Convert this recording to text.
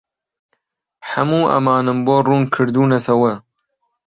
هەموو ئەمانەم بۆ ڕوون کردوونەتەوە.